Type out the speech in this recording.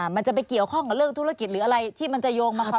มันจะไปเกี่ยวข้องกับเรื่องธุรกิจหรืออะไรที่มันจะโยงมาก่อน